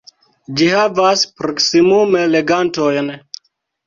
Ĝi havas proksimume legantojn.